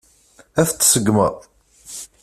Ad t-tseggmeḍ?